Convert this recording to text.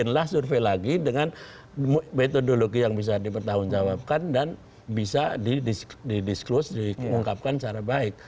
setelah survei lagi dengan metodologi yang bisa dipertahankan dan bisa di disclose diungkapkan secara baik